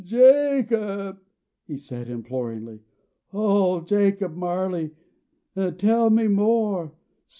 "Jacob," he said imploringly. "Old Jacob Marley, tell me more.